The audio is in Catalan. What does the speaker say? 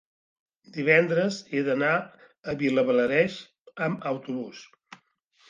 divendres he d'anar a Vilablareix amb autobús.